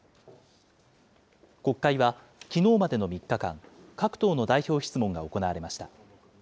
国会はきのうまでの３日間、各党の代表質問が行われました。